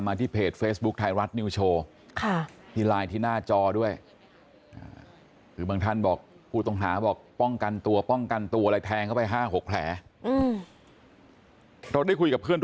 อย่างไรไม่ได้บทเขาเลย